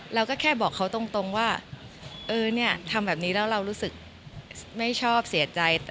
เราก็แค่บอกเขาตรงว่าเออเนี่ยทำแบบนี้แล้วเรารู้สึกไม่ชอบเสียใจ